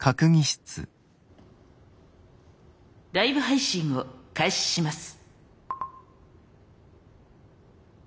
ライブ配信を開始します。